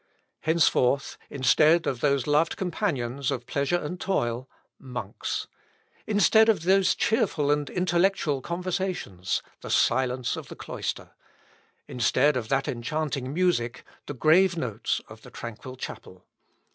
Henceforth, instead of those loved companions of pleasure and toil monks; instead of those cheerful and intellectual conversations the silence of the cloister; instead of that enchanting music the grave notes of the tranquil chapel.